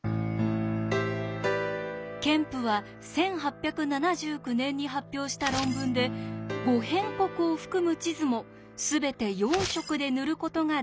ケンプは１８７９年に発表した論文で「五辺国」を含む地図も全て４色で塗ることができると記していました。